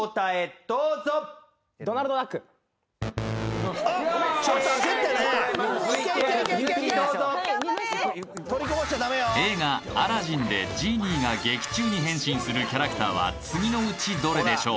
どうぞ不正解でございますＶＴＲ続きどうぞ映画「アラジン」でジーニーが劇中に変身するキャラクターは次のうちどれでしょう？